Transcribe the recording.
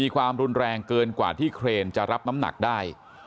ความรุนแรงเกินกว่าที่เครนจะรับน้ำหนักได้